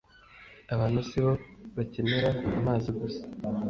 Abantu si bo bakenera amazi gusa.